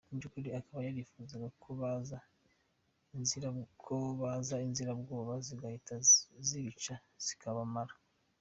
Mu by’ukuri akaba yarifuzaga ko baza Inzirabwoba zigahita zibica zikabamara.